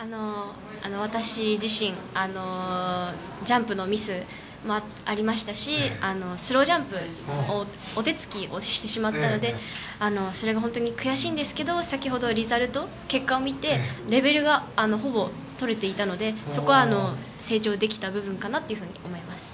私自身ジャンプのミスもありましたしスロージャンプをお手つきをしてしまったのでそれが本当に悔しいんですけど先ほどリザルト、結果を見てレベルがほぼとれていたのでそこは成長できた部分かなと思います。